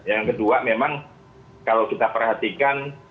yang kedua memang kalau kita perhatikan